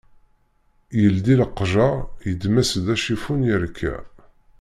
Yeldi leqjar, yeddem-as-d acifun yerka